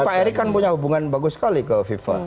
pak erick kan punya hubungan bagus sekali ke viva